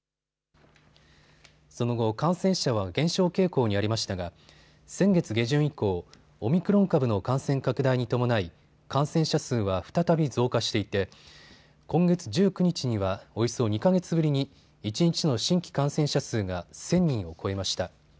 その後、感染者は減少傾向にありましたが先月下旬以降、オミクロン株の感染拡大に伴い感染者数は再び増加していて今月１９日にはおよそ２か月ぶりに一日の新規感染者数が１０００人を超えました。